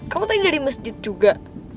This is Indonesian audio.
kamu tadi dari masjid juga